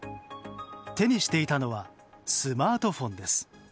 手にしていたのはスマートフォンです。